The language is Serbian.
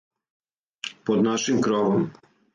Под нашим кровом.